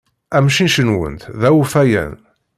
Amcic-nwent d awfayan.